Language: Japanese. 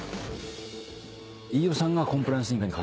飯尾さんがコンプライアンス委員会に。